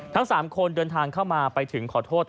ทั้ง๓คนเดินทางเข้ามาไปถึงขอโทษ